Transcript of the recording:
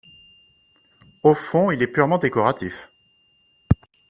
Au fond, il est purement décoratif.